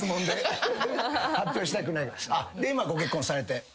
で今ご結婚されて。